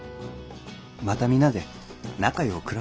また皆で仲よう暮らそう。